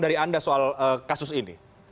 dari anda soal kasus ini